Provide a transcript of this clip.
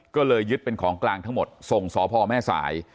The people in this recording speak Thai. ก็เลยยึดเป็นของกลางทั้งหมดส่งสมทั้งหมด